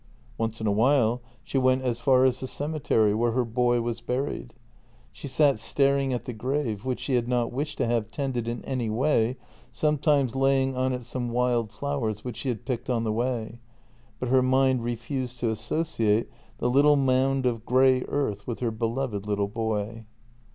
Once in a while she went as far as the cemetery, where her boy was buried. She sat staring at the grave, which she had not wished to have tended in any way, sometimes laying on it some wild flowers which she had picked on the way, but her mind refused to associate the little mound of grey earth with her beloved little boy.